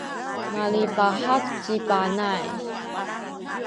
malipahak ci Panay.